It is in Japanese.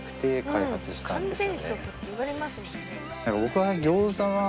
僕は。